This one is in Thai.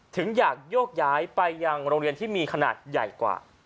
ถึงอยากโยกย้ายไปยังโรงเรียนที่มีขนาดใหญ่กว่า